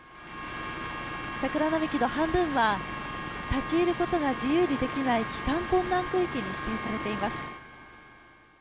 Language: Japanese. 桜並木の半分は立ち入ることが自由にできない帰還困難区域に指定されています。